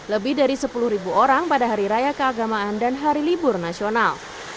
lebih dari sepuluh orang pada hari raya keagamaan dan hari libur nasional